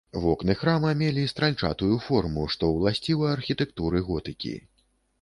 Вокны храма мелі стральчатую форму, што ўласціва архітэктуры готыкі.